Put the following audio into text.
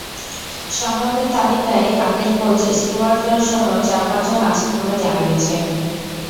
সম্ভাব্যের তালিকায় আগের coach Stewart লসহ চার-পাঁচজন আছেন বলে জানা গেছে।